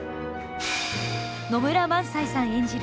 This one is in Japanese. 野村萬斎さん演じる